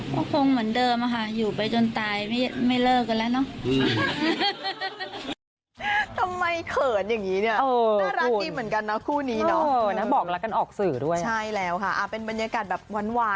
ก็คงเหมือนเดิมค่ะอยู่ไปจนตายไม่เลิกกันแล้วเนาะ